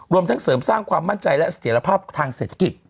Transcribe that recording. ทั้งเสริมสร้างความมั่นใจและเสถียรภาพทางเศรษฐกิจ